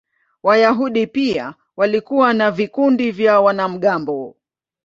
Wayahudi pia walikuwa na vikundi vya wanamgambo.